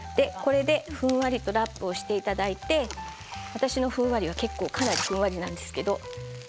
ふんわりとラップをしていただいて私のふんわりかなりふんわりなんですけど。